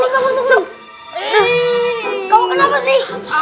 kamu kenapa sih